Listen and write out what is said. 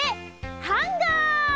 ハンガー。